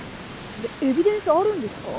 それエビデンスあるんですか？